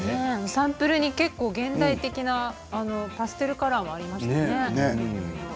サンプルに結構現代的なパステルカラーがありましたね。